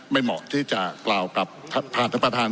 เหมาะที่จะกล่าวกับผ่านท่านประธาน